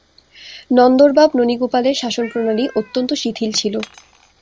নন্দর বাপ ননীগোপালের শাসনপ্রণালী অত্যন্ত শিথিল ছিল।